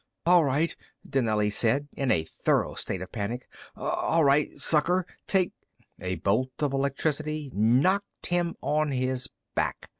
"All right," Dinelli said, in a thorough state of panic. "All right, sucker, take " A bolt of electricity knocked him on his back.